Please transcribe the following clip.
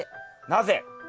なぜ？